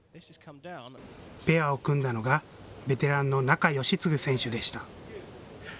ペアを組んだのがベテランの仲喜嗣選手でした。